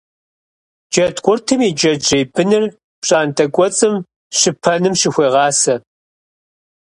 Джэдкъуртым и джэджьей быныр пщӀантӀэ кӀуэцӀым щыпэным щыхуегъасэ.